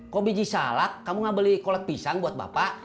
kok biji salak kamu gak beli kolak pisang buat bapak